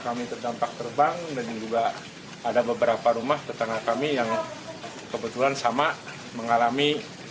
kami terdampak terbang dan juga ada beberapa rumah tetangga kami yang kebetulan sama mengalami